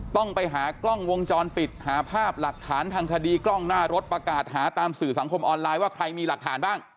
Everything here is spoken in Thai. ต้องไปหากล้องวงจรปิดหาภาพหลักฐานทางคดีกล้องหน้ารถประกาศหาตามสื่อสังคมออนไลน์ว่าใครมีหลักฐานบ้าง